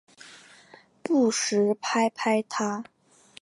不时拍拍她